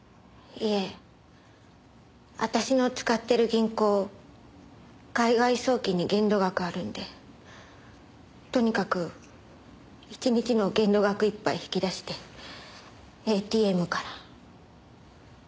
いえ私の使ってる銀行海外送金に限度額あるんでとにかく１日の限度額いっぱい引き出してＡＴＭから。